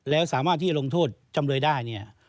แล้วสามารถที่จะลงโทษจำเลยได้เนี่ย